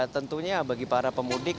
tentunya bagi para pemudik